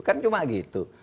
kan cuma gitu